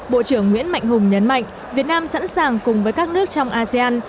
bộ trưởng nguyễn mạnh hùng nhấn mạnh việt nam sẵn sàng cùng với các nước trong asean